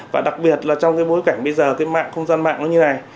và đặc biệt là trong cái bối cảnh bây giờ cái mạng không gian mạng nó như này